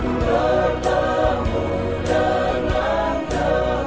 ku bertemu dengan tenang